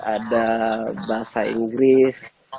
ada bahasa inggris